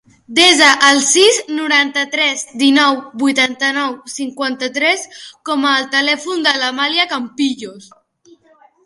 Desa el sis, noranta-tres, dinou, vuitanta-nou, cinquanta-tres com a telèfon de l'Amàlia Campillos.